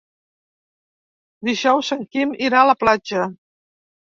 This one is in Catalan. Dijous en Quim irà a la platja.